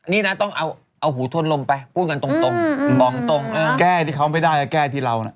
นี่นะต้องเอาหูทนลมไปพูดกันตรงบอกตรงแก้ที่เขาไม่ได้ก็แก้ที่เรานะ